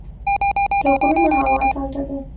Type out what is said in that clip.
د غرونو هوا تازه ده.